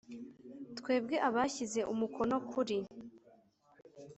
Twebwe abashyize umukono kuri